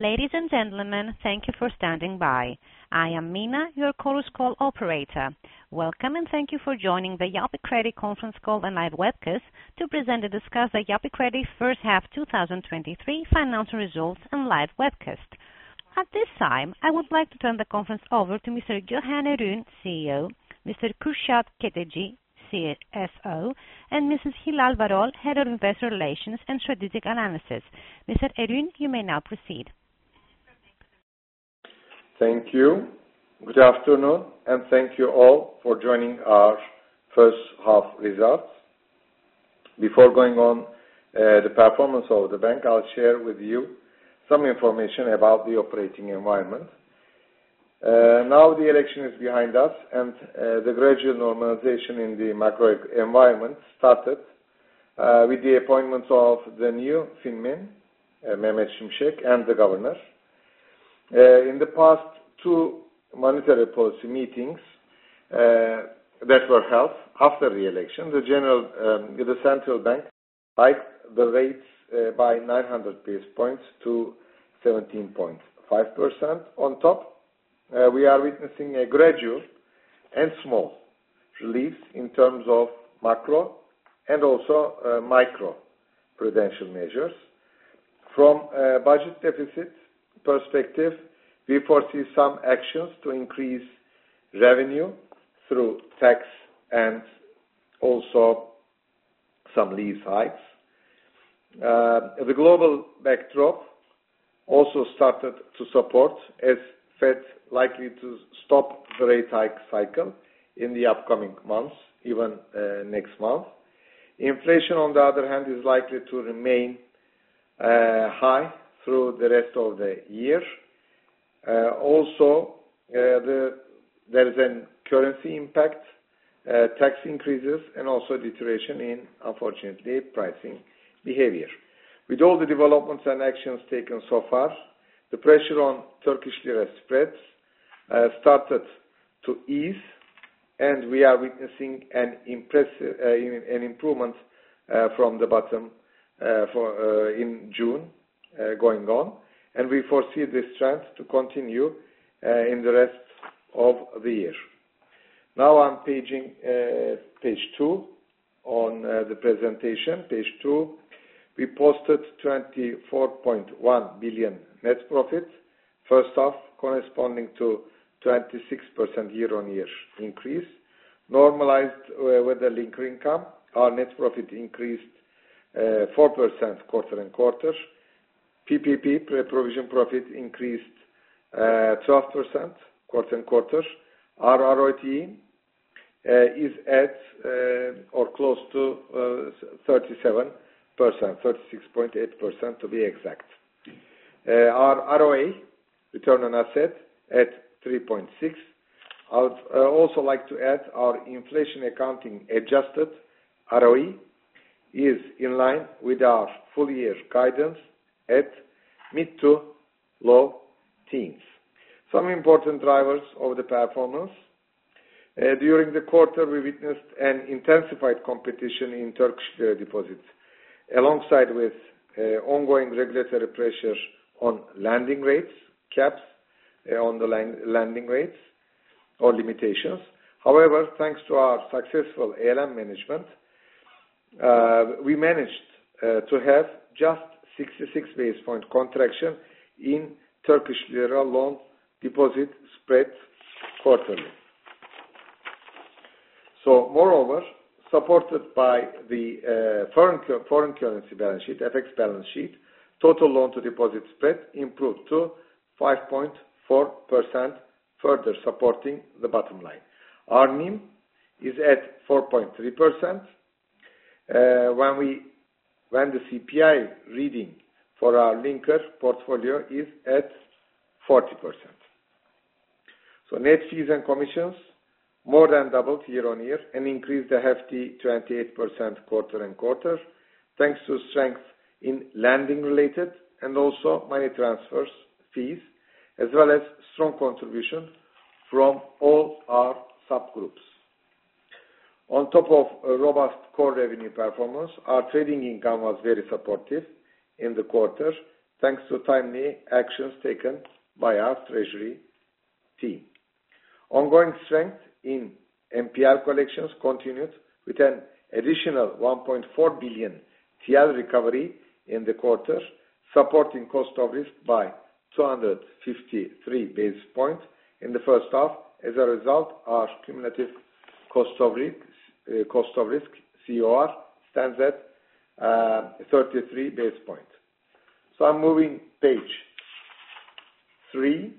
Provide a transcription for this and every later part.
Ladies and gentlemen, thank you for standing by. I am Mina, your Chorus Call operator. Welcome, and thank you for joining the Yapı Kredi conference call and live webcast to present and discuss the Yapı Kredi first half, 2023 financial results and live webcast. At this time, I would like to turn the conference over to Mr. Gökhan Erün, CEO, Mr. Kürşad Keteci, CFO, and Mrs. Hilal Varol, Head of Investor Relations and Strategic Analysis. Mr. Erün, you may now proceed. Thank you. Good afternoon, and thank you all for joining our first half results. Before going on, the performance of the bank, I'll share with you some information about the operating environment. Now, the election is behind us, and the gradual normalization in the macro environment started with the appointments of the new FinMin, Mehmet Şimşek, and the governor. In the past 2 monetary policy meetings that were held after the election, the central bank hiked the rates by 900 basis points to 17.5%. On top, we are witnessing a gradual and small release in terms of macro and also microprudential measures. From a budget deficit perspective, we foresee some actions to increase revenue through tax and also some lease hikes. The global backdrop also started to support, as Fed likely to stop the rate hike cycle in the upcoming months, even next month. Inflation, on the other hand, is likely to remain high through the rest of the year. Also, there is a currency impact, tax increases, and also deterioration in, unfortunately, pricing behavior. With all the developments and actions taken so far, the pressure on Turkish lira spreads started to ease, and we are witnessing an impressive improvement from the bottom for in June going on, and we foresee this trend to continue in the rest of the year. Now, I'm paging page two on the presentation. Page two, we posted 24.1 billion net profit, first off, corresponding to 26% year-on-year increase. Normalized, with the linked income, our net profit increased 4% quarter-on-quarter. PPP, pre-provision profit, increased 12% quarter-on-quarter. Our ROTE is at, or close to, 37%, 36.8%, to be exact. Our ROA, return on asset, at 3.6%. I would also like to add our inflation accounting adjusted ROE is in line with our full year guidance at mid to low teens. Some important drivers of the performance. During the quarter, we witnessed an intensified competition in Turkish lira deposits, alongside with ongoing regulatory pressure on lending rates, caps on the lending rates or limitations. Thanks to our successful ALM management, we managed to have just 66 basis point contraction in Turkish lira loan deposit spread quarterly. Moreover, supported by the foreign currency balance sheet, FX balance sheet, total loan to deposit spread improved to 5.4%, further supporting the bottom line. Our NIM is at 4.3% when the CPI reading for our linker portfolio is at 40%. Net fees and commissions more than doubled year-on-year and increased a hefty 28% quarter-on-quarter, thanks to strength in lending related and also money transfers fees, as well as strong contribution from all our subgroups. On top of a robust core revenue performance, our trading income was very supportive in the quarter, thanks to timely actions taken by our treasury team. Ongoing strength in NPL collections continued with an additional 1.4 billion TL recovery in the quarter, supporting cost of risk by 253 basis points in the first half. Our cumulative cost of risk, COR, stands at 33 basis points. I'm moving page 3. In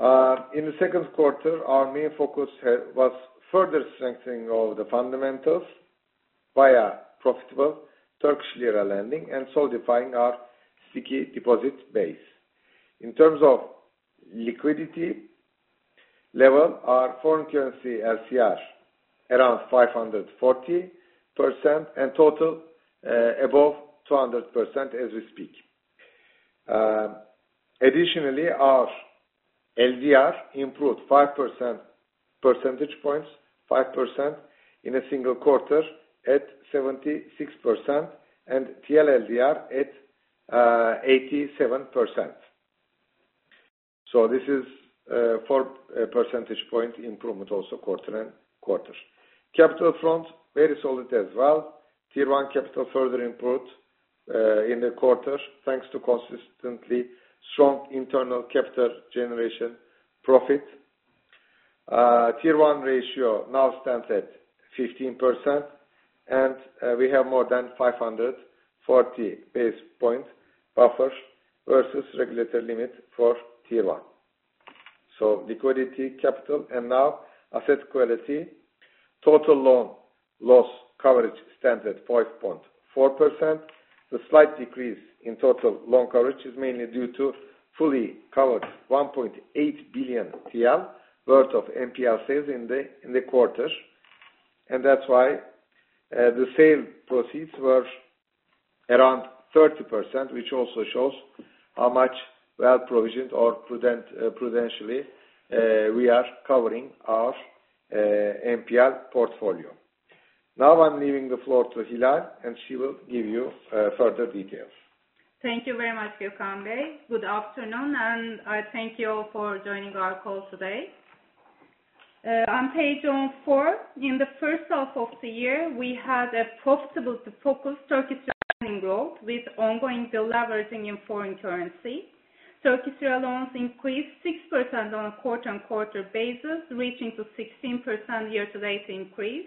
the second quarter, our main focus here was further strengthening of the fundamentals via profitable Turkish lira lending and solidifying our sticky deposit base. In terms of liquidity level, our foreign currency LCR around 540% and total above 200% as we speak. Additionally, our LDR improved 5 percentage points in a single quarter at 76%, and TL LDR at 87%. This is 4 percentage point improvement also quarter-on-quarter. Capital front, very solid as well. Tier 1 capital further improved in the quarter, thanks to consistently strong internal capital generation profit. Tier 1 ratio now stands at 15%. We have more than 540 basis points buffer versus regulatory limit for Tier 1. Liquidity, capital, and now asset quality. Total loan loss coverage stands at 5.4%. The slight decrease in total loan coverage is mainly due to fully covered 1.8 billion TL worth of NPL sales in the quarter. That's why the sale proceeds were around 30%, which also shows how much well-provisioned or prudent, prudentially, we are covering our NPL portfolio. Now I'm leaving the floor to Hilal. She will give you further details. Thank you very much, Gökhan Erün Good afternoon, I thank you all for joining our call today. On page four, in the first half of the year, we had a profitable focus Turkish growing growth with ongoing deleveraging in foreign currency. Turkish lira loans increased 6% on a quarter-on-quarter basis, reaching to 16% year-to-date increase.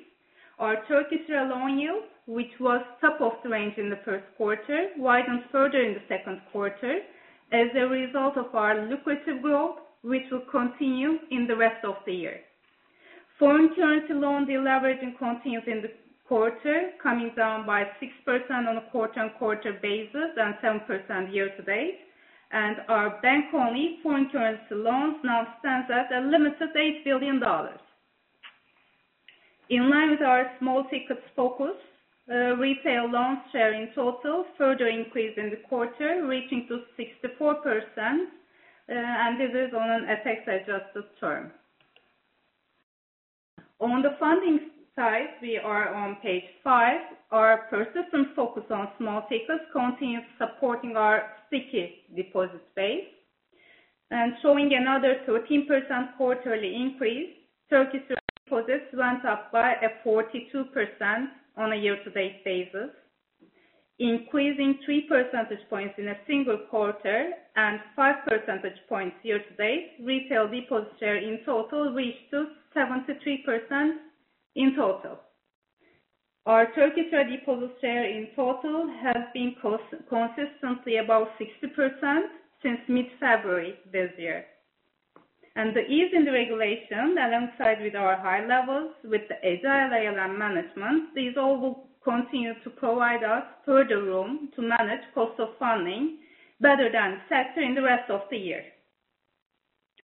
Our Turkish lira loan yield, which was top of the range in the first quarter, widened further in the second quarter as a result of our lucrative growth, which will continue in the rest of the year. Foreign currency loan deleveraging continues in the quarter, coming down by 6% on a quarter-on-quarter basis and 7% year-to-date. Our bank-only foreign currency loans now stands at a limited $8 billion. In line with our small ticket focus, retail loans share in total further increase in the quarter, reaching to 64%, and this is on an FX-adjusted term. On the funding side, we are on page 5. Our persistent focus on small tickets continues supporting our sticky deposit base. Showing another 13% quarterly increase, Turkish deposits went up by a 42% on a year-to-date basis, increasing 3 percentage points in a single quarter and 5 percentage points year-to-date. Retail deposit share in total reached to 73% in total. Our Turkish lira deposit share in total has been consistently above 60% since mid-February this year. The ease in the regulation, alongside with our high levels, with the agile ALM management, these all will continue to provide us further room to manage cost of funding better than sector in the rest of the year.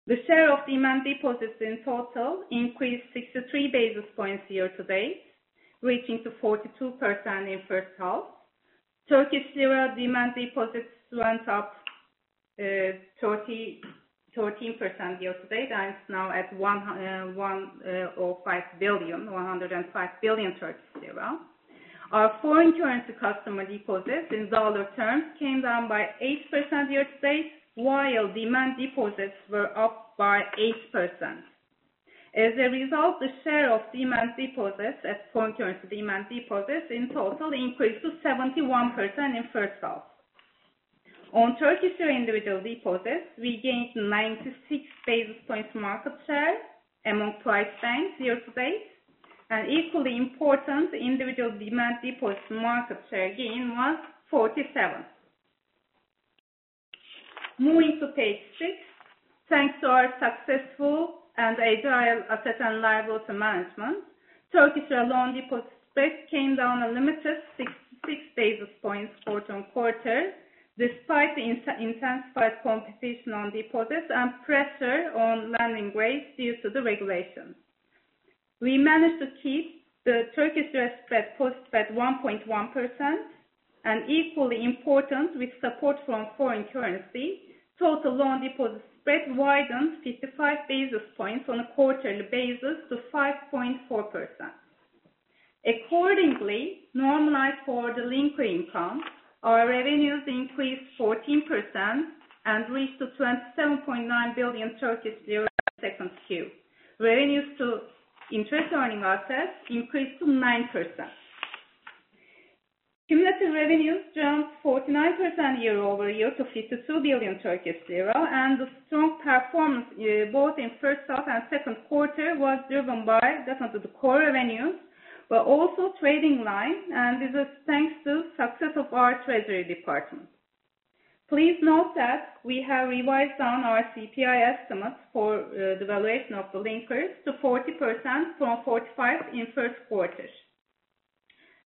The share of demand deposits in total increased 63 basis points year-to-date, reaching to 42% in first half. Turkish lira demand deposits went up 13% year-to-date, and it's now at 105 billion. Our foreign currency customer deposits in dollar terms came down by 8% year-to-date, while demand deposits were up by 8%. As a result, the share of demand deposits as foreign currency demand deposits in total increased to 71% in first half. On Turkish individual deposits, we gained 96 basis points market share among private banks year-to-date, and equally important, individual demand deposits market share gain was 47. Moving to page 6. Thanks to our successful and agile asset and liability management, Turkish lira loan deposit spread came down a limited 6 basis points quarter-on-quarter, despite the intensified competition on deposits and pressure on lending rates due to the regulation. We managed to keep the Turkish lira spread post at 1.1%, and equally important, with support from foreign currency, total loan deposit spread widened 55 basis points on a quarterly basis to 5.4%. Accordingly, normalized for the linker income, our revenues increased 14% and reached to 27.9 billion Turkish lira in second Q. Revenues to interest earning assets increased to 9%. Cumulative revenues jumped 49% year-over-year to 52 billion Turkish lira, and the strong performance, both in first half and second quarter, was driven by thanks to the core revenues, but also trading line, and this is thanks to success of our treasury department. Please note that we have revised down our CPI estimates for the valuation of the linkers to 40% from 45 in first quarter.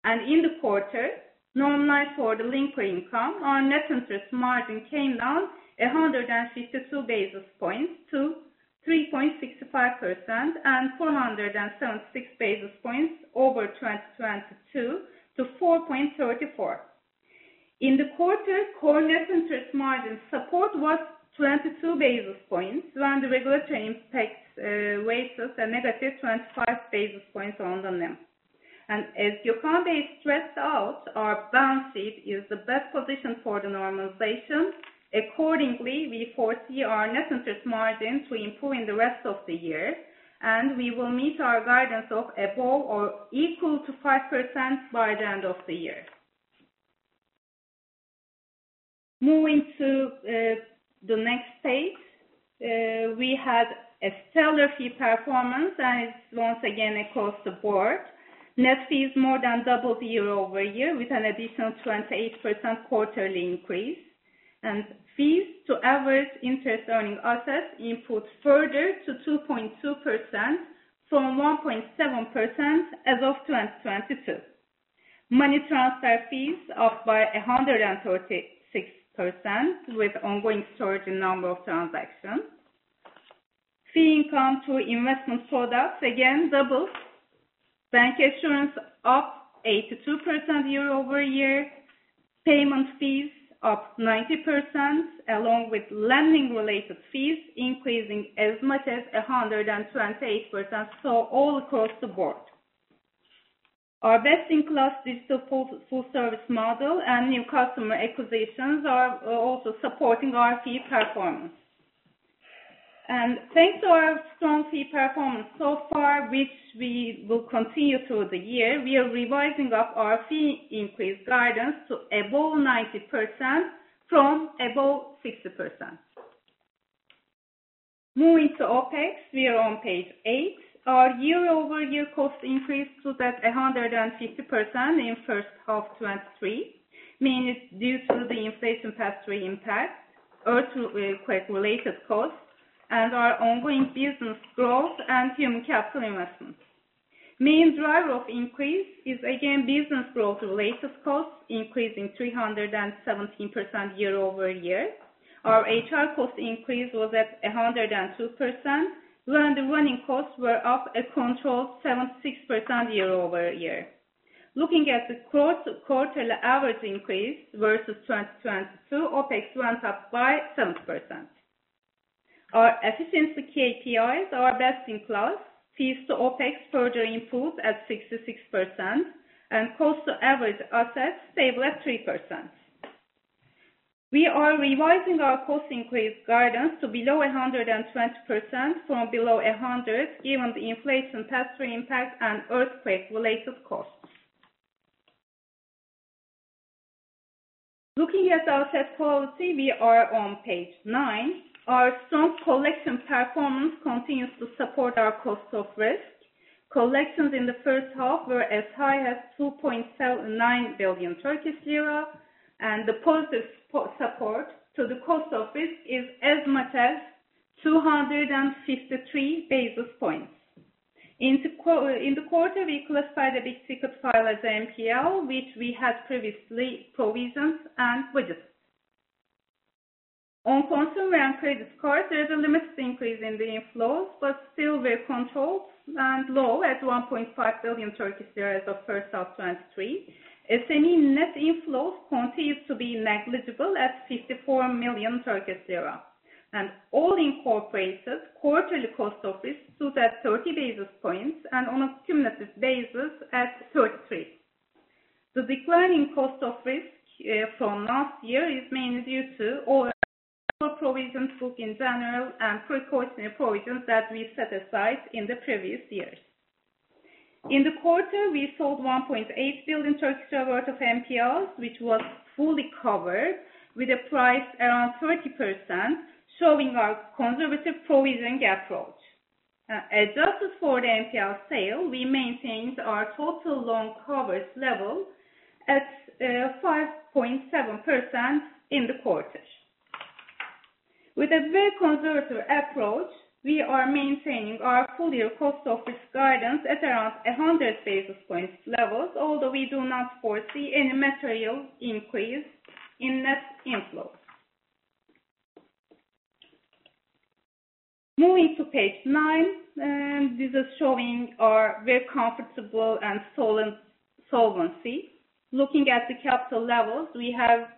In the quarter, normalized for the linker income, our net interest margin came down 152 basis points to 3.65% and 476 basis points over 2022 to 4.34%. In the quarter, core net interest margin support was 22 basis points, when the regulatory impacts, rates was a negative 25 basis points on the NIM. As Gökhan Erün stressed out, our balance sheet is the best position for the normalization. Accordingly, we foresee our net interest margin to improve in the rest of the year, and we will meet our guidance of above or equal to 5% by the end of the year. Moving to the next page. We had a stellar fee performance, and it's once again across the board. Net fees more than doubled year-over-year, with an additional 28% quarterly increase. Fees to average interest earning assets improved further to 2.2% from 1.7% as of 2022. Money transfer fees up by 136%, with ongoing surge in number of transactions. Fee income to investment products, again, double. Bank insurance up 82% year-over-year. Payment fees up 90%, along with lending related fees, increasing as much as 128%, so all across the board. Our best-in-class digital full service model and new customer acquisitions are also supporting our fee performance. Thanks to our strong fee performance so far, which we will continue through the year, we are revising up our fee increase guidance to above 90% from above 60%. Moving to OpEx, we are on page 8. Our year-over-year cost increase stood at 150% in first half 2023, mainly due to the inflation pass-through impact, earthquake-related costs, and our ongoing business growth and human capital investments. Main driver of increase is again business growth related costs, increasing 317% year-over-year. Our HR cost increase was at 102%, when the running costs were up a controlled 76% year-over-year. Looking at the quarter, quarterly average increase versus 2022, OpEx went up by 7%. Our efficiency KPIs are best in class. Fees to OpEx further improved at 66%, and cost to average assets stable at 3%. We are revising our cost increase guidance to below 120% from below 100%, given the inflation pass-through impact and earthquake-related costs. Looking at our asset quality, we are on page nine. Our strong collection performance continues to support our cost of risk. Collections in the first half were as high as 2.79 billion Turkish lira, and the positive support to the cost of risk is as much as 253 basis points. In the quarter, we classified a big ticket file as NPL, which we had previously provisioned and budgeted. On consumer and credit cards, there is a limited increase in the inflows, but still very controlled and low at 1.5 billion Turkish lira as of first half 2023. SME net inflows continues to be negligible at 54 million Turkish lira. All incorporated, quarterly cost of risk stood at 30 basis points and on a cumulative basis at 33. The declining cost of risk from last year is mainly due to our provision book in general and precautionary provisions that we set aside in the previous years. In the quarter, we sold 1.8 billion Turkish lira worth of NPL, which was fully covered with a price around 30%, showing our conservative provisioning approach. Adjusted for the NPL sale, we maintained our total loan coverage level at 5.7% in the quarter. With a very conservative approach, we are maintaining our full year cost of risk guidance at around 100 basis points levels, although we do not foresee any material increase in net inflows. Moving to page 9, this is showing our very comfortable and solvent solvency. Looking at the capital levels, we have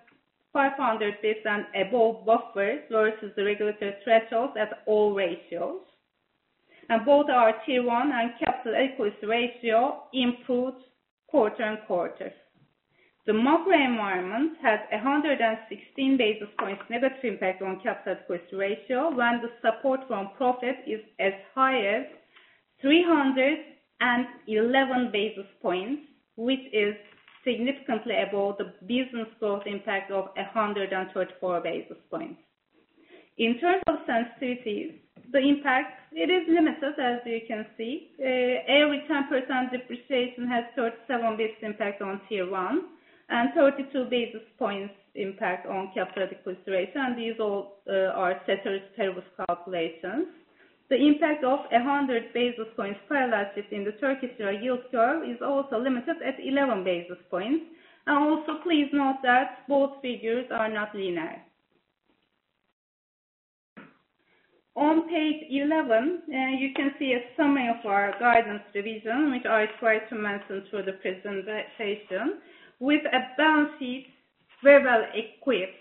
500 basis and above buffers versus the regulatory thresholds at all ratios. Both our Tier 1 and capital adequacy ratio improved quarter and quarter. The macro environment has 116 basis points negative impact on capital adequacy ratio, when the support from profit is as high as 311 basis points, which is significantly above the business growth impact of 124 basis points. In terms of sensitivities, the impact, it is limited, as you can see. Every 10% depreciation has 37 basis impact on Tier 1 and 32 basis points impact on capital request ratio, and these all are set as TFRS calculations. The impact of 100 basis points parallelized in the Turkish lira yield curve is also limited at 11 basis points. Please note that both figures are not linear. On page 11, you can see a summary of our guidance division, which I tried to mention to the presentation. With a balance sheet very well equipped,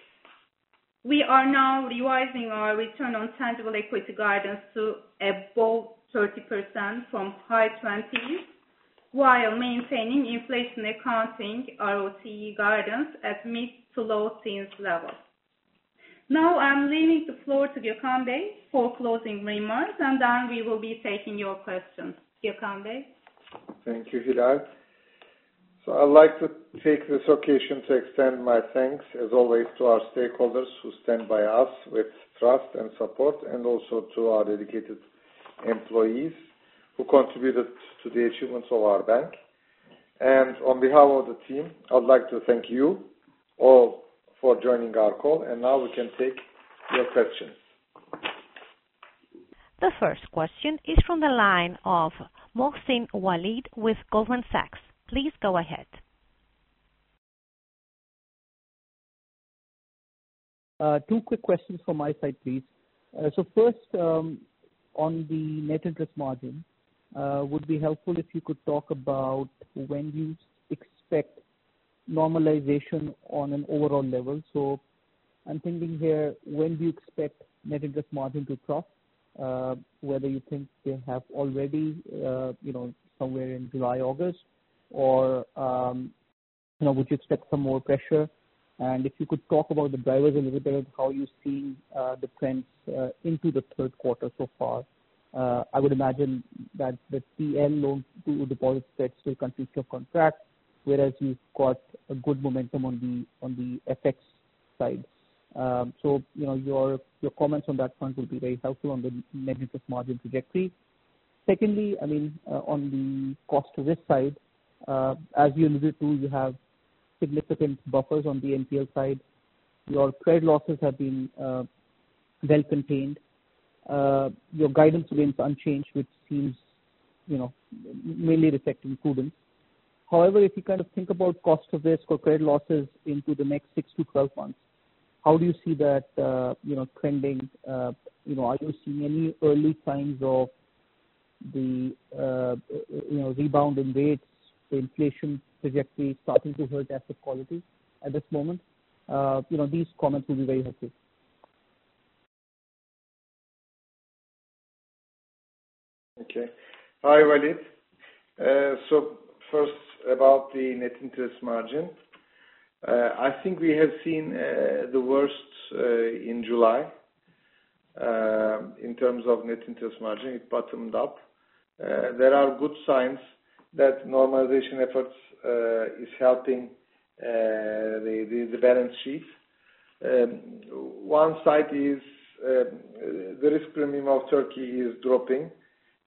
we are now revising our return on tangible equity guidance to above 30% from high 20s, while maintaining inflation accounting ROTE guidance at mid to low teens level. I'm leaving the floor to Gökhan Bey for closing remarks, and then we will be taking your questions. Gökhan Erün? Thank you, Hilal. I'd like to take this occasion to extend my thanks as always to our stakeholders who stand by us with trust and support, and also to our dedicated employees who contributed to the achievements of our bank. On behalf of the team, I would like to thank you all for joining our call. Now we can take your questions. The first question is from the line of Waleed Mohsin with Goldman Sachs. Please go ahead. 2 quick questions from my side, please. First, on the NIM, would be helpful if you could talk about when you expect normalization on an overall level. I'm thinking here, when do you expect NIM to drop? Whether you think you have already, you know, somewhere in July, August, or, you know, would you expect some more pressure? If you could talk about the drivers a little bit, how you see the trends into the third quarter so far. I would imagine that the CN loan to deposit spread still continues to contract, whereas you've got a good momentum on the FX side. You know, your comments on that front will be very helpful on the NIM trajectory. Secondly, I mean, on the cost of risk side, as you alluded to, you have significant buffers on the NPL side. Your credit losses have been well contained. Your guidance remains unchanged, which seems, you know, mainly reflecting prudence. However, if you kind of think about cost of risk or credit losses into the next 6-12 months, how do you see that, you know, trending? You know, are you seeing any early signs of the, you know, rebound in rates, the inflation trajectory starting to hurt asset quality at this moment? You know, these comments will be very helpful. Okay. Hi, Walid. First about the net interest margin. I think we have seen the worst in July in terms of net interest margin, it bottomed up. There are good signs that normalization efforts is helping the balance sheet. One side is the risk premium of Turkey is dropping,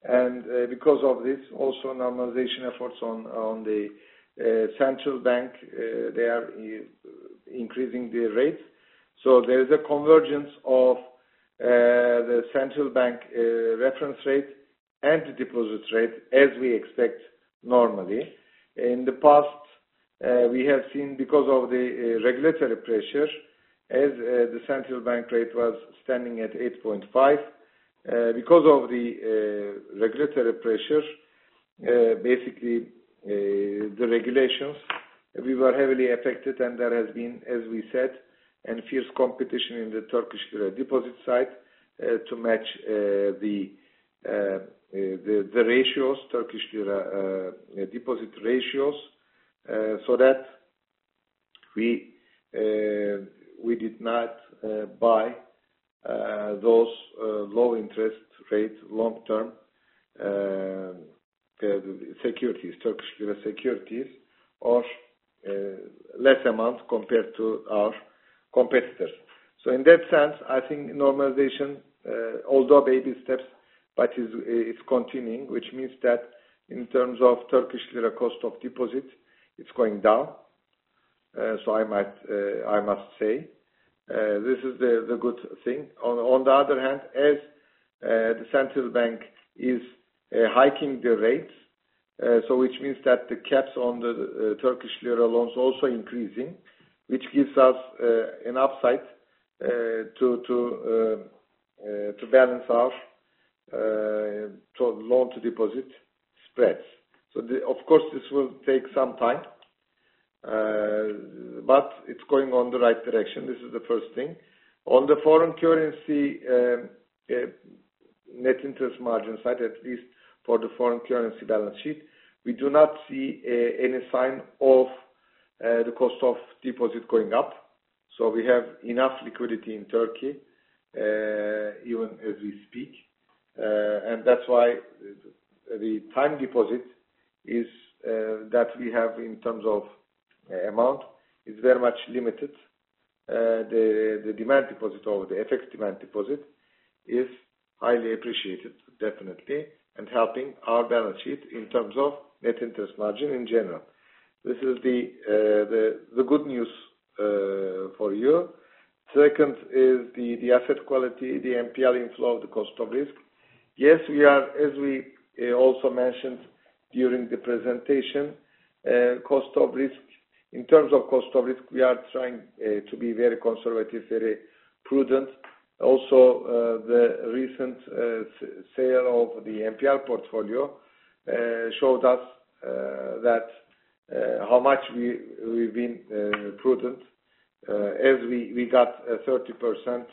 and because of this, also normalization efforts on the central bank, they are increasing the rates. There is a convergence of the central bank reference rate and the deposit rate, as we expect normally. In the past, we have seen because of the regulatory pressure, as the central bank rate was standing at 8.5. Because of the regulatory pressure, basically, the regulations, we were heavily affected, and there has been, as we said, and fierce competition in the Turkish lira deposit side to match the ratios, Turkish lira deposit ratios. That we did not buy those low interest rates long term securities, Turkish lira securities or less amount compared to our competitors. In that sense, I think normalization, although baby steps, but is continuing, which means that in terms of Turkish lira cost of deposit, it's going down. I might I must say, this is the good thing. On the other hand, as the central bank is hiking the rates, which means that the caps on the Turkish lira loans are also increasing, which gives us an upside to balance our loan to deposit spreads. Of course, this will take some time, but it's going on the right direction. This is the first thing. On the foreign currency net interest margin side, at least for the foreign currency balance sheet, we do not see any sign of the cost of deposit going up. We have enough liquidity in Turkey, even as we speak, and that's why the time deposit that we have in terms of amount, is very much limited. The demand deposit or the FX demand deposit is highly appreciated, definitely, and helping our balance sheet in terms of net interest margin in general. This is the good news for you. Second is the asset quality, the NPL inflow, the cost of risk. Yes, we are, as we also mentioned during the presentation, cost of risk. In terms of cost of risk, we are trying to be very conservative, very prudent. Also, the recent sale of the NPL portfolio showed us that how much we've been prudent as we got 30%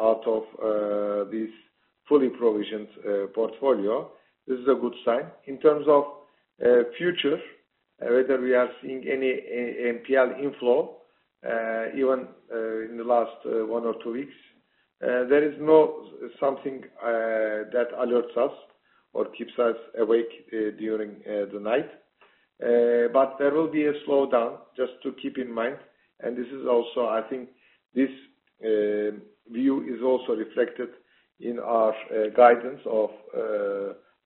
out of this fully provisioned portfolio. This is a good sign. In terms of future, whether we are seeing any NPL inflow, even in the last one or two weeks, there is no something that alerts us or keeps us awake during the night. There will be a slowdown, just to keep in mind, and this is also I think this view is also reflected in our guidance of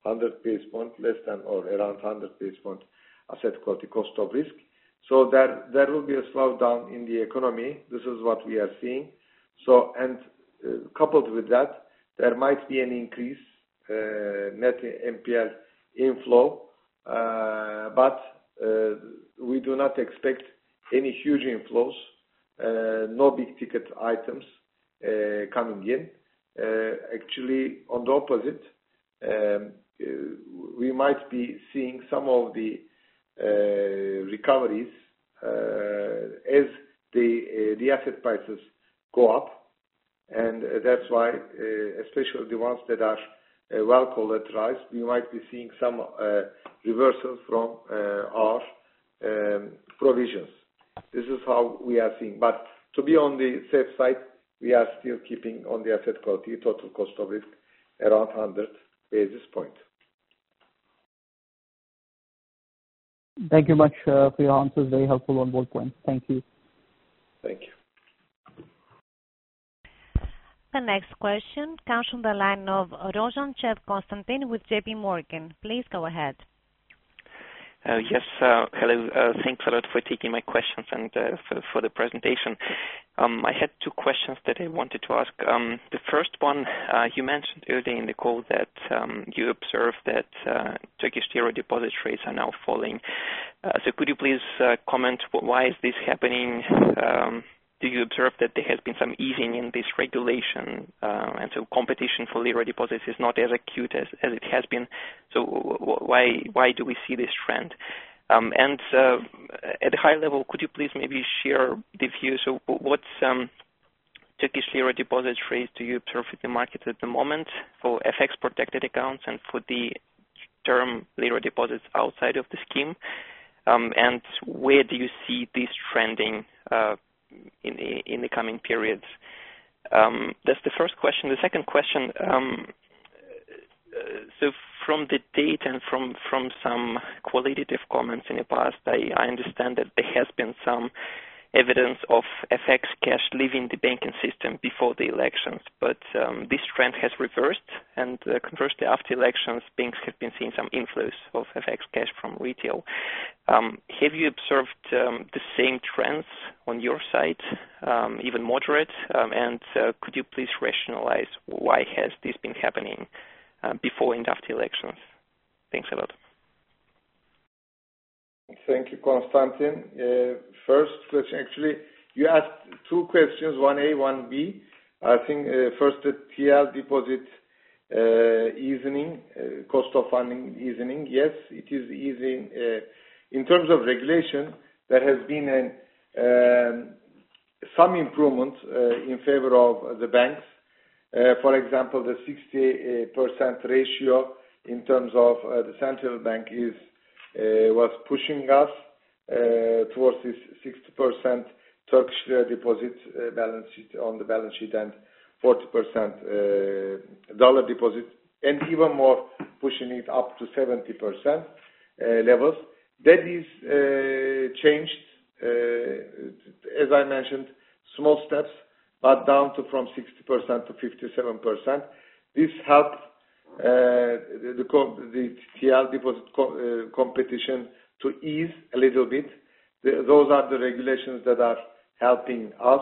100 basis points, less than or around 100 basis points, asset quality cost of risk. There will be a slowdown in the economy. This is what we are seeing. Coupled with that, there might be an increase, net NPL inflow. We do not expect any huge inflows, no big ticket items coming in. Actually, on the opposite, we might be seeing some of the recoveries, as the asset prices go up. That's why, especially the ones that are well collateralized, we might be seeing some reversals from our provisions. This is how we are seeing. To be on the safe side, we are still keeping on the asset quality, total cost of risk around 100 basis point. Thank you much for your answers. Very helpful on both points. Thank you. Thank you. The next question comes from the line of Rojan Cheb Constantine with JP Morgan. Please go ahead. Yes, hello. Thanks a lot for taking my questions and for the presentation. I had two questions that I wanted to ask. The first one, you mentioned earlier in the call that you observed that Turkish treasury deposit rates are now falling. Could you please comment why is this happening? Do you observe that there has been some easing in this regulation, and so competition for lira deposits is not as acute as it has been, so why do we see this trend? At a high level, could you please maybe share the view, so what Turkish lira deposit rates do you observe with the markets at the moment for FX-protected accounts and for the term lira deposits outside of the scheme? Where do you see this trending in the coming periods? That's the first question. The second question, from the date and from some qualitative comments in the past, I understand that there has been some evidence of FX cash leaving the banking system before the elections, but this trend has reversed. Conversely, after elections, banks have been seeing some inflows of FX cash from retail. Have you observed the same trends on your side, even moderate? Could you please rationalize why has this been happening before and after elections? Thanks a lot. Thank you, Constantine. First, actually, you asked two questions, one A, one B. I think, first, the TL deposit cost of funding evening. Yes, it is evening. In terms of regulation, there has been some improvement in favor of the banks. For example, the 60% ratio in terms of the central bank was pushing us towards this 60% Turkish lira deposit balance sheet, on the balance sheet, and 40% dollar deposits, and even more pushing it up to 70% levels. That is changed, as I mentioned, small steps, but down to from 60% to 57%. This helps the TL deposit competition to ease a little bit. Those are the regulations that are helping us.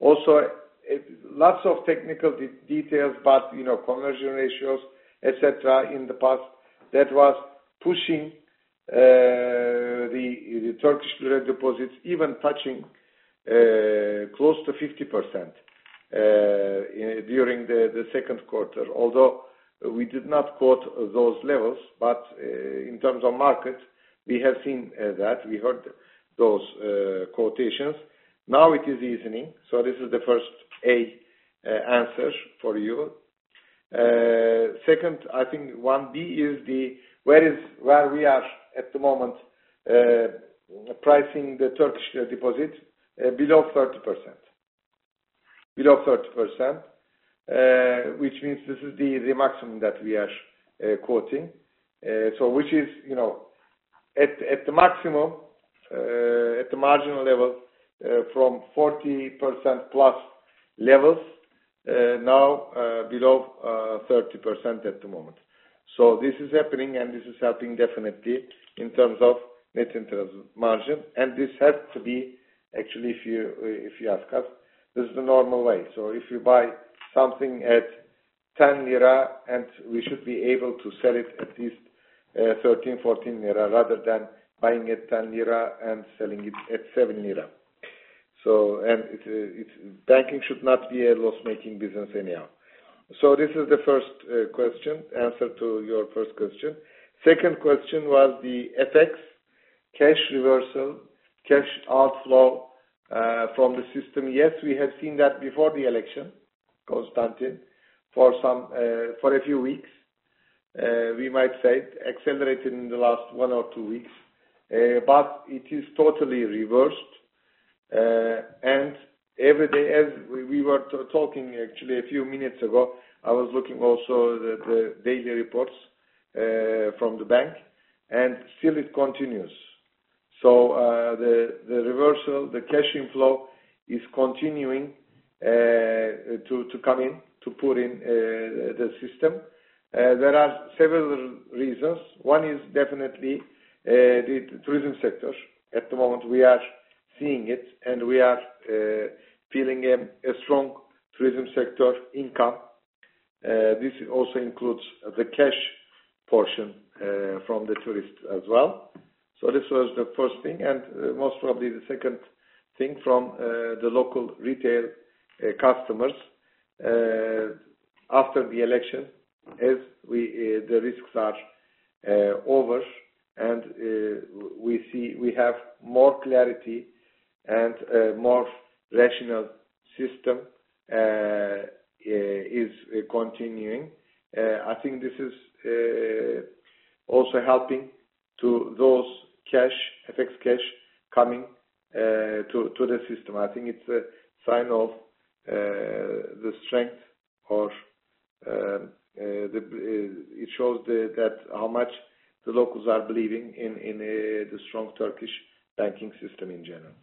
Lots of technical details, but, you know, conversion ratios, et cetera, in the past, that was pushing the Turkish lira deposits, even touching close to 50% in during the second quarter. Although we did not quote those levels, but in terms of markets, we have seen that, we heard those quotations. Now it is evening. This is the first A answer for you. Second, I think one B is where we are at the moment, pricing the Turkish lira deposit below 30%. Below 30%, which means this is the maximum that we are quoting. Which is, you know, at the maximum, at the marginal level, from 40%+ levels, now below 30% at the moment.... This is happening, and this is helping definitely in terms of net interest margin. This has to be, actually, if you ask us, this is the normal way. If you buy something at 10 lira, and we should be able to sell it at least, 13, 14 lira, rather than buying it 10 lira and selling it at 7 lira. Banking should not be a loss-making business anyhow. This is the first question, answer to your first question. Second question was the FX cash reversal, cash outflow from the system. We have seen that before the election, Constantine, for some for a few weeks. We might say it accelerated in the last 1 or 2 weeks, but it is totally reversed. Every day, as we were talking actually a few minutes ago, I was looking also the daily reports from the bank. Still it continues. The reversal, the cash inflow is continuing to come in, to put in the system. There are several reasons. One is definitely the tourism sector. At the moment, we are seeing it, and we are feeling a strong tourism sector income. This also includes the cash portion from the tourists as well. This was the first thing, most probably the second thing from the local retail customers after the election, as the risks are over, we have more clarity, and more rational system is continuing. I think this is also helping to those cash, FX cash coming to the system. I think it's a sign of the strength or it shows that how much the locals are believing in the strong Turkish banking system in general.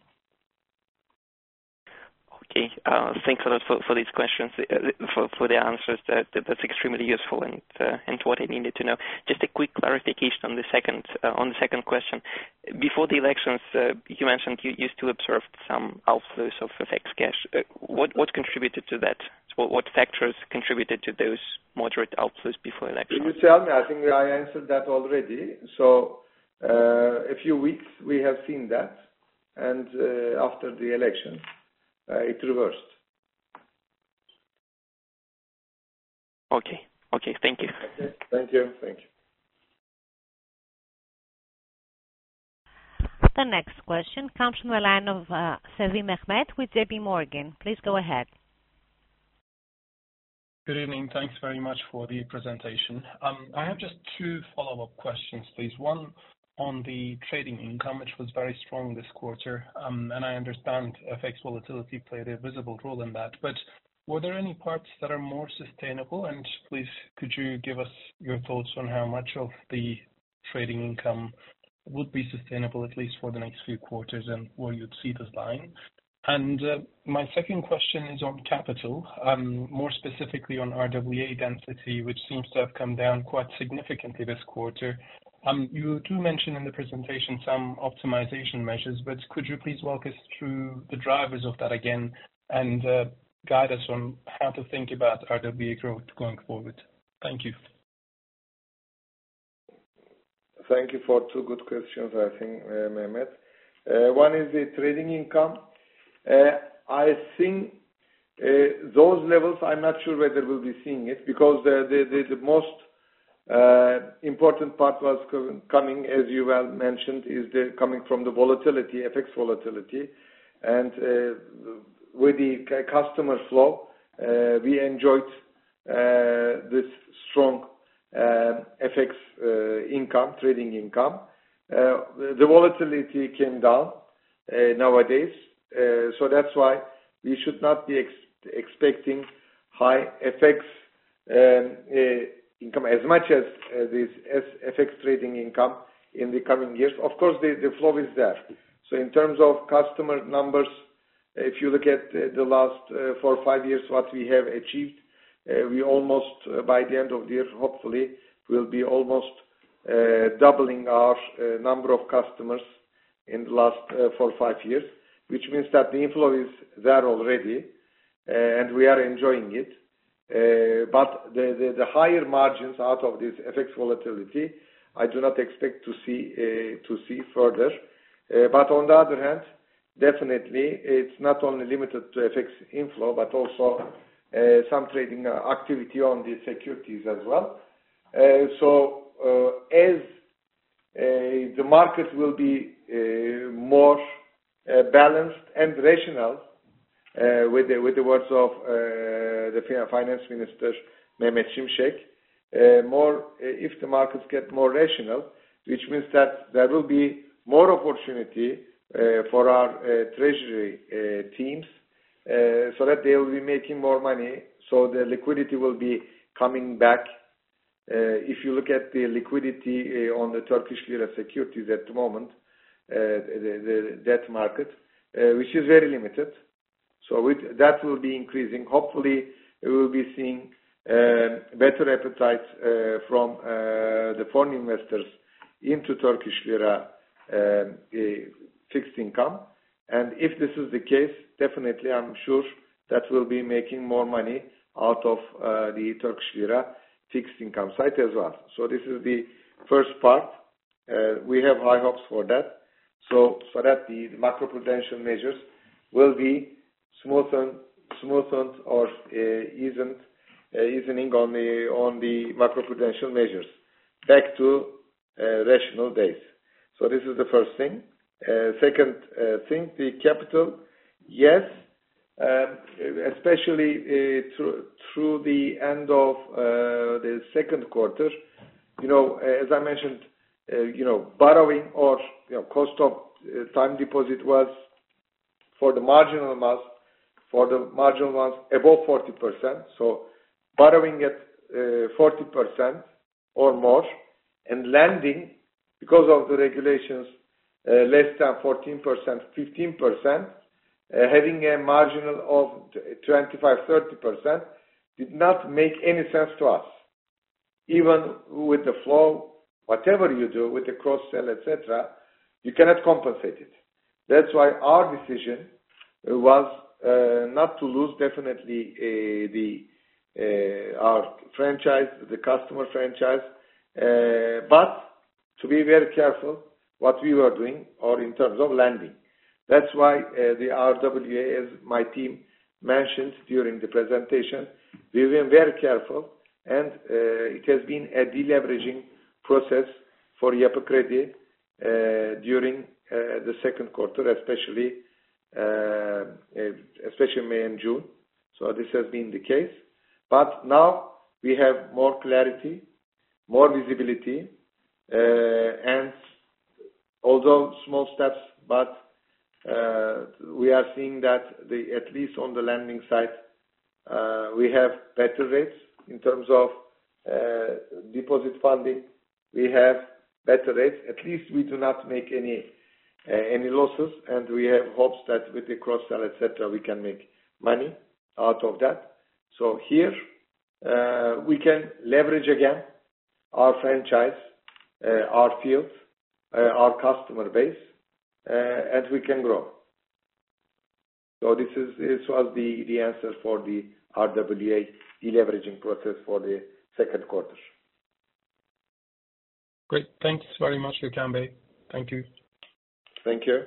Okay, thanks a lot for these questions. For the answers, that's extremely useful and what I needed to know. Just a quick clarification on the second question. Before the elections, you mentioned you used to observe some outflows of FX cash. What contributed to that? What factors contributed to those moderate outflows before elections? Let me tell me, I think I answered that already. A few weeks we have seen that, after the election, it reversed. Okay. Okay, thank you. Thank you. Thank you. The next question comes from the line of Mehmet Sevim with JP Morgan. Please go ahead. Good evening. Thanks very much for the presentation. I have just two follow-up questions, please. One, on the trading income, which was very strong this quarter. I understand FX volatility played a visible role in that, but were there any parts that are more sustainable? Please, could you give us your thoughts on how much of the trading income would be sustainable, at least for the next few quarters, and where you'd see this lying? My second question is on capital, more specifically on RWA density, which seems to have come down quite significantly this quarter. You do mention in the presentation some optimization measures, but could you please walk us through the drivers of that again, and guide us on how to think about RWA growth going forward? Thank you. Thank you for two good questions, I think, Mehmet. One is the trading income. I think, those levels, I'm not sure whether we'll be seeing it because the most important part was coming, as you well mentioned, is the coming from the volatility, FX volatility. With the customer flow, we enjoyed this strong FX income, trading income. The volatility came down nowadays, so that's why we should not be expecting high FX income as much as this FX trading income in the coming years. Of course, the flow is there. In terms of customer numbers, if you look at the last 4, 5 years, what we have achieved, we almost by the end of the year, hopefully, will be almost doubling our number of customers in the last 4, 5 years. Which means that the inflow is there already, and we are enjoying it. But the higher margins out of this FX volatility, I do not expect to see further. But on the other hand, definitely it's not only limited to FX inflow, but also some trading activity on the securities as well. So, as the market will be more balanced and rational, with the words of the Finance Minister, Mehmet Şimşek, more if the markets get more rational, which means that there will be more opportunity for our treasury teams, so that they will be making more money, so the liquidity will be coming back. If you look at the liquidity on the Turkish lira securities at the moment, that market, which is very limited, that will be increasing. Hopefully, we will be seeing better appetite from the foreign investors into Turkish lira fixed income. If this is the case, definitely, I'm sure that we'll be making more money out of the Turkish lira fixed income side as well. This is the first part. We have high hopes for that. That the macro-prudential measures will be smoothened or evened evening on the macro-prudential measures back to rational days. This is the first thing. Second thing, the capital. Yes, especially through the end of the second quarter, you know, as I mentioned, you know, borrowing or, you know, cost of time deposit was for the marginal months above 40%. Borrowing at 40% or more, and lending because of the regulations less than 14%, 15%, having a marginal of 25%-30%, did not make any sense to us. Even with the flow, whatever you do with the cross-sell, et cetera, you cannot compensate it. That's why our decision was not to lose definitely the our franchise, the customer franchise, but to be very careful what we were doing or in terms of lending. That's why the RWA, as my team mentioned during the presentation, we've been very careful and it has been a deleveraging process for Yapı Kredi during the second quarter, especially May and June. This has been the case. Now we have more clarity, more visibility, and although small steps, but we are seeing that at least on the lending side, we have better rates. In terms of deposit funding, we have better rates. At least we do not make any losses, and we have hopes that with the cross sell, et cetera, we can make money out of that. Here, we can leverage again our franchise, our fields, our customer base, and we can grow. This was the answer for the RWA deleveraging process for the second quarter. Great. Thanks very much, Gökhan Erün. Thank you. Thank you.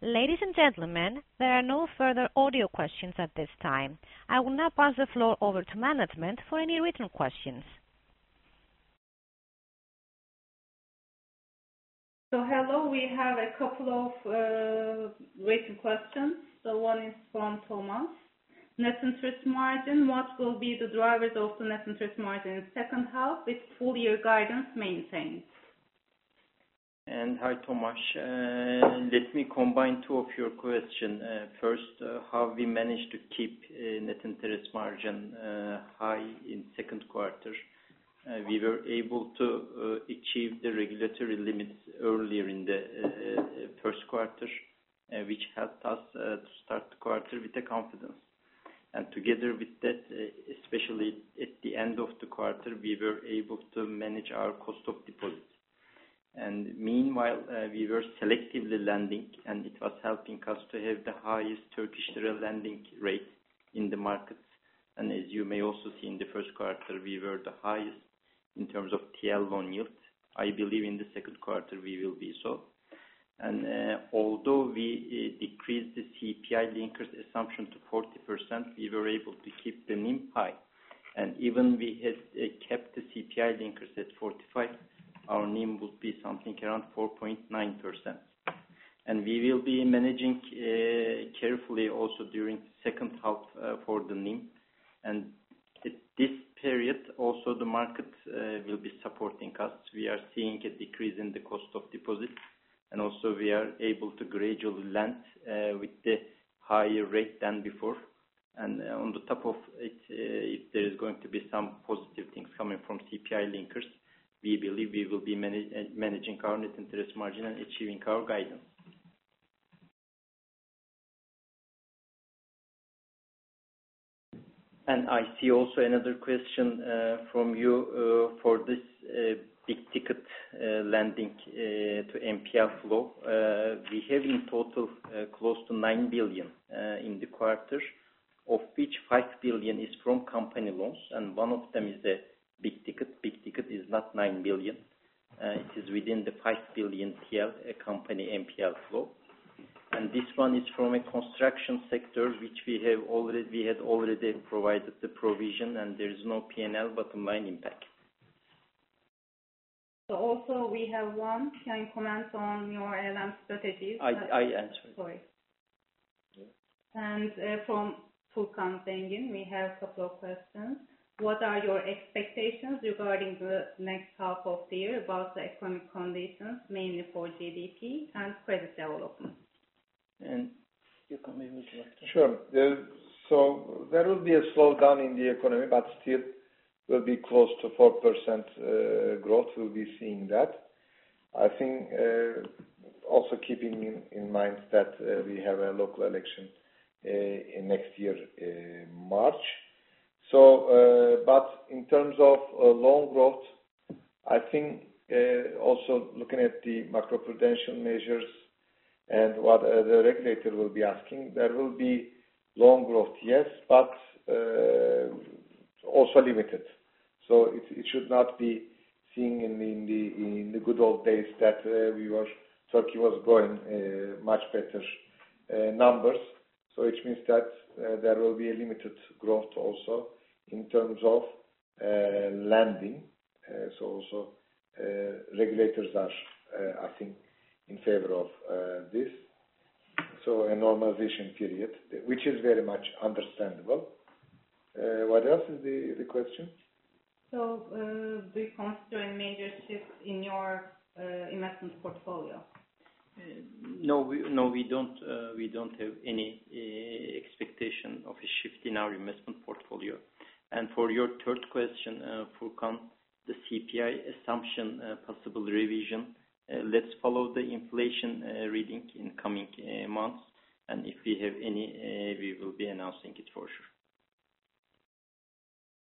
Ladies and gentlemen, there are no further audio questions at this time. I will now pass the floor over to management for any written questions. Hello, we have a couple of written questions. One is from Thomas: Net interest margin, what will be the drivers of the net interest margin in the second half with full year guidance maintained? Hi, Thomas. Let me combine 2 of your question. First, how we managed to keep net interest margin high in second quarter. We were able to achieve the regulatory limits earlier in the first quarter, which helped us to start the quarter with the confidence. Together with that, especially at the end of the quarter, we were able to manage our cost of deposits. Meanwhile, we were selectively lending, and it was helping us to have the highest Turkish lira lending rate in the market. As you may also see in the first quarter, we were the highest in terms of TL loan yield. I believe in the second quarter we will be so. Although we decreased the CPI linkers assumption to 40%, we were able to keep the NIM high. Even we had kept the CPI linkers at 45, our NIM would be something around 4.9%. We will be managing carefully also during second half for the NIM. At this period, also the market will be supporting us. We are seeing a decrease in the cost of deposits, and also we are able to gradually lend with the higher rate than before. On the top of it, if there is going to be some positive things coming from CPI linkers, we believe we will be managing our net interest margin and achieving our guidance. I see also another question from you for this big ticket lending to NPL flow. We have in total close to 9 billion in the quarter, of which 5 billion is from company loans, and one of them is a big ticket. Big ticket is not 9 billion, it is within the 5 billion TL, a company NPL flow. This one is from a construction sector, which we had already provided the provision, and there is no PNL, but a minor impact. Also we have one. Can you comment on your ALM strategy? I answered. Sorry. From Furkan Zengin, we have a couple of questions. What are your expectations regarding the next half of the year about the economic conditions, mainly for GDP and credit development?... And you can maybe. Sure. There will be a slowdown in the economy, but still will be close to 4% growth. We'll be seeing that. I think, also keeping in mind that we have a local election in next year, March. But in terms of loan growth, I think, also looking at the macro-prudential measures and what the regulator will be asking, there will be loan growth, yes, but also limited. It should not be seeing in the, in the, in the good old days that we were, Turkey was growing much better numbers. Which means that there will be a limited growth also in terms of lending. Also, regulators are, I think, in favor of this. A normalization period, which is very much understandable. What else is the question? Do you consider a major shift in your investment portfolio? No, we don't have any expectation of a shift in our investment portfolio. For your third question, Furkan, the CPI assumption, possible revision, let's follow the inflation reading in coming months, and if we have any, we will be announcing it for sure.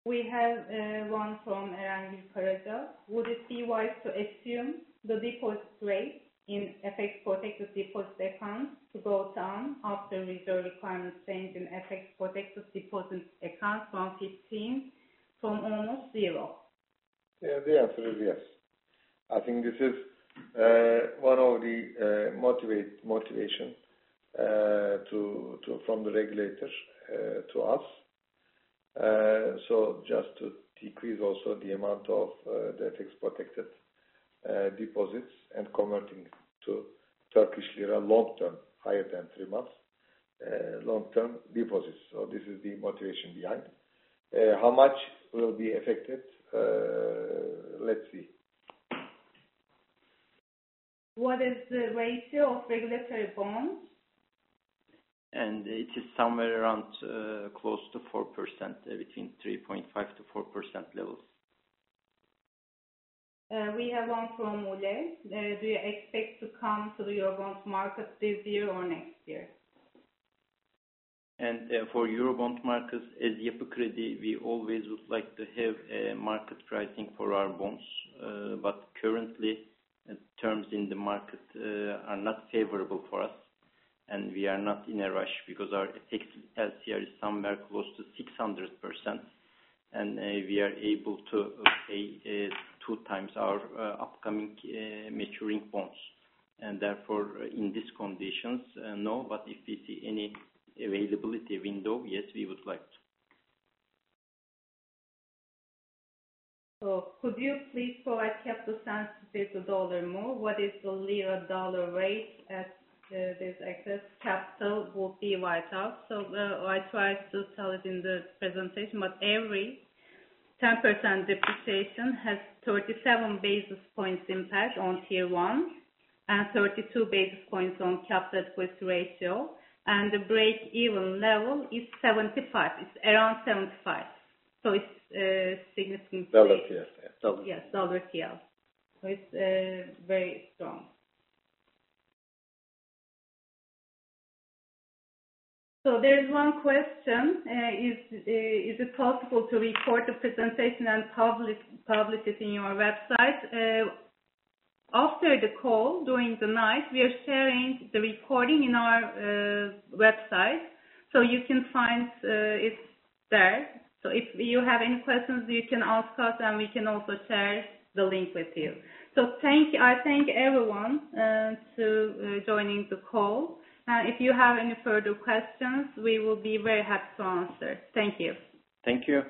We have, one from Erhan Karaca: Would it be wise to assume the deposit rate in FX protected deposit accounts to go down after reserve requirement change in FX protected deposit accounts from 15 from almost 0? Yeah, the answer is yes. I think this is one of the motivation to from the regulators to us. just to decrease also the amount of the FX-protected deposits and converting to Turkish lira long term, higher than 3 months, long term deposits. This is the motivation behind. How much will be affected? Let's see. What is the ratio of regulatory bonds? It is somewhere around, close to 4%, between 3.5%-4% levels. We have one from Ole. Do you expect to come to the Eurobond market this year or next year? For Eurobond markets, as Yapı Kredi, we always would like to have a market pricing for our bonds. Currently, the terms in the market are not favorable for us, and we are not in a rush because our FX LCR is somewhere close to 600%, and we are able to pay two times our upcoming maturing bonds. Therefore, in these conditions, no, but if we see any availability window, yes, we would like to. Could you please provide capital sensitivity to dollar more? What is the lira dollar rate as this excess capital would be wiped out? I tried to tell it in the presentation, every 10% depreciation has 37 basis points impact on Tier 1, and 32 basis points on capital with ratio, and the break-even level is 75. It's around 75. It's significant- Dollar tier. Yes, dollar tier. It's very strong. There's one question: Is it possible to record the presentation and publish it in your website? After the call, during the night, we are sharing the recording in our website, so you can find it's there. If you have any questions, you can ask us, and we can also share the link with you. Thank you. I thank everyone to joining the call. If you have any further questions, we will be very happy to answer. Thank you. Thank you.